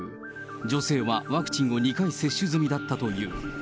女性はワクチンを２回接種済みだったという。